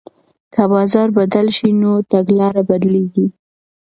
که بازار بدل شي نو تګلاره بدلیږي.